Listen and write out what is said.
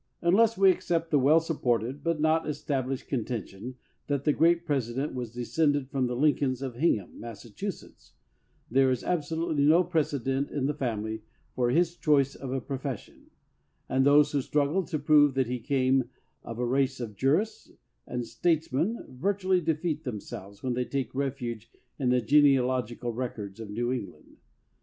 Unless we accept the well supported but not established contention that the great President was descended from the Lincolns of Hingham, Massachusetts, there is absolutely no precedent in the family for his choice of a profession; and those who struggle to prove that he came of a race of jurists and statesmen virtually defeat themselves when they take refuge in the genea logical records of New England.